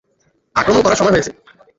আক্রমন করার সময় হয়েছে।